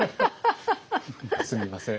すみません。